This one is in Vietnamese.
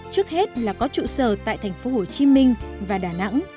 trước hết là có trụ sở tại thành phố hồ chí minh và đà nẵng